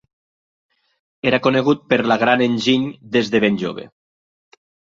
Era conegut per la gran enginy des de ben jove.